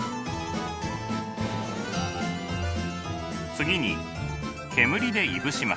次に煙でいぶします。